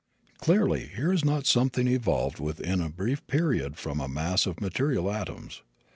Clearly, here is not something evolved within a brief period from a mass of material atoms.